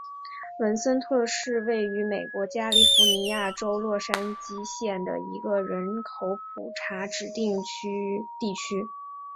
文森特是位于美国加利福尼亚州洛杉矶县的一个人口普查指定地区。